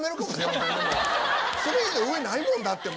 それ以上上ないもんだってもう。